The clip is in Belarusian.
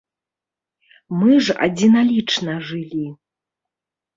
Мы ж адзіналічна жылі.